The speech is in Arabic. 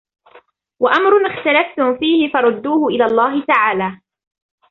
وَأَمْرٌ اخْتَلَفْتُمْ فِيهِ فَرُدُّوهُ إلَى اللَّهِ تَعَالَى